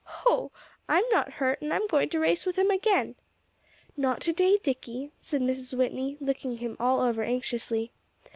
"Hoh! I'm not hurt, and I'm going to race with him again." "Not to day, Dicky," said Mrs. Whitney, looking him all over anxiously.